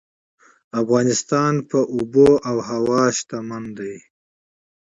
افغانستان په آب وهوا غني دی.